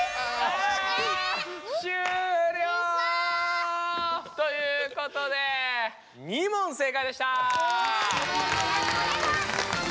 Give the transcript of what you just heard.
あ終了！ということで２問正解でした。